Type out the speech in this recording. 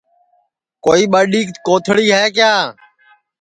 کوئی ٻڈؔی کوتھݪی ہے کیا